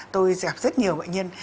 tôi gặp rất nhiều bệnh nhân